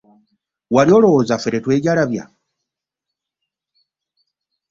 Wali olowooza ffe twejalabya.